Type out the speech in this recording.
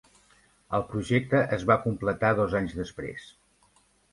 El projecte es va completar dos anys després.